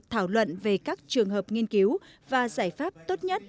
thảo luận về các trường hợp nghiên cứu và giải pháp tốt nhất